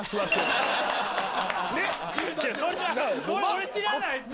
俺知らないっすよ